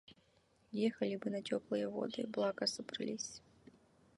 Ехали бы на теплые воды, благо собрались.